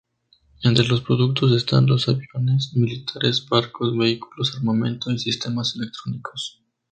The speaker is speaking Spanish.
Entre los productos están los aviones militares, barcos, vehículos, armamento y sistemas electrónicos.